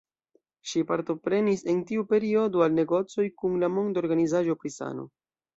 Ŝi partoprenis en tiu periodo al negocoj kun la Monda Organizaĵo pri Sano.